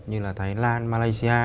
như là thái lan malaysia